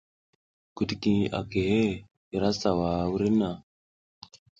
Kutukuy a kehe, i ra sawa wurenna.